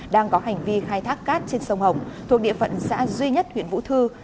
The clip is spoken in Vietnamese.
đang có hành vi khai thác cát trên sông hồng thuộc địa phận xã duy nhất huyện vũ thư